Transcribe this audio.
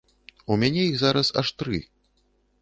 У мяне іх зараз аж тры.